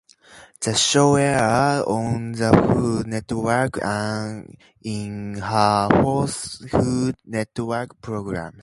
The show airs on the Food Network and is her fourth Food Network program.